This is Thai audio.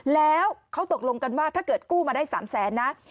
แล้วเขาตกลงกันว่าถ้าเกิดกู้มาได้๓แสนนะ